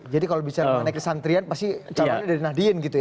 jadi kalau bicara negeri santrian pasti calonnya dari nahdien gitu ya